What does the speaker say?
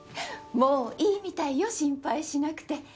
もういいみたいよ心配しなくて。